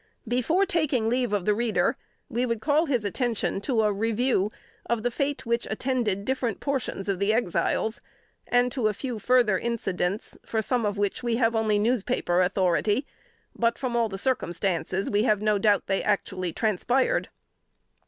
Before taking leave of the reader, we would call his attention to a review of the fate which attended different portions of the Exiles, and to a few further incidents, for some of which we have only newspaper authority; but from all the circumstances we have no doubt they actually transpired.